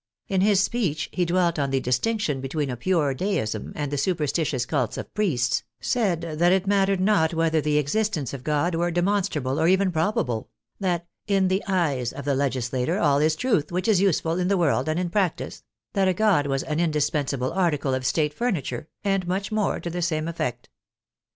In his speech he dwelt on the distinction between a pure Deism and the superstitious cults of priests, said that it mattered not whether the existence of God were demon strable or even probable, that " in the eyes of the legisla tor all is truth which is useful in the world and in prac tice," that a god was an indispensable article of state fur niture, and much more to the same effect.